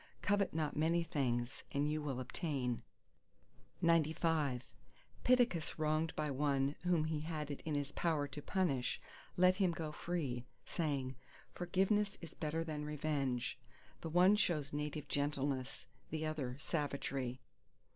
covet not many things, and you will obtain. XCVI Pittacus wronged by one whom he had it in his power to punish, let him go free, saying, Forgiveness is better than revenge. The one shows native gentleness, the other savagery.